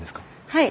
はい。